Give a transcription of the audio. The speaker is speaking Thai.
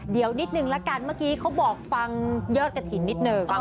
เดี๋ยวนิดนึงละกันเมื่อกี้เขาบอกฟังยอดกระถิ่นนิดนึง